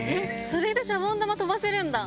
それでシャボン玉飛ばせるんだ。